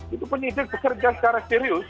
itu penyidik bekerja secara serius